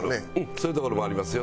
そういう所もありますよ。